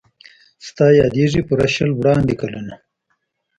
ستا یادیږي پوره شل وړاندي کلونه